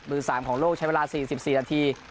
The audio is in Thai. ๓ของโลกใช้เวลา๔๔นาที